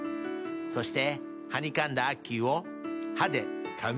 そしてはにかんだあっきーを歯でかみたい。